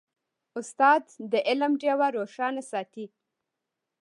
استاد د علم ډیوه روښانه ساتي.